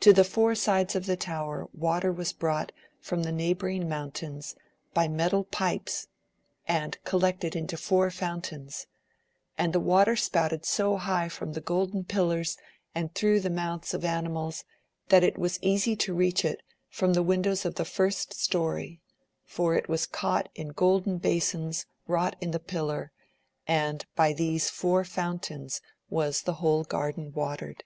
To the four sides of the tower water was brought from the neighbouring mountains by metal pipes, and collected into four fountains, and the water AMADm OF GAUL 77 spouted so higli from the gplden pillars and through the mouths of imimals, that it was easy to reach it from the windows of the first story, for it was caught in golden basons wrought in the pillar, and by these four fountains was the whole garden watered.